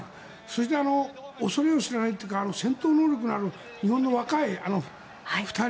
そして恐れを知らないというか戦闘能力のある日本の若い２人。